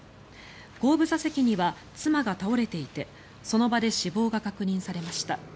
後部座席には妻が倒れていてその場で死亡が確認されました。